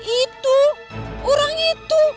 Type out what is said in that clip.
itu orang itu